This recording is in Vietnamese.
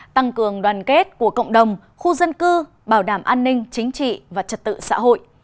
tăng cường đoàn kết của cộng đồng khu dân cư bảo đảm an ninh chính trị và trật tự xã hội